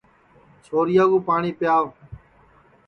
چھورِیا کُو پاٹؔی پِیاوَ